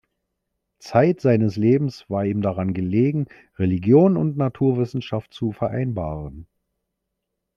Zeit seines Lebens war ihm daran gelegen, Religion und Naturwissenschaft zu vereinbaren.